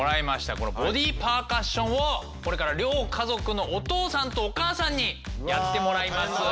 このボディパーカッションをこれから両家族のお父さんとお母さんにやってもらいます。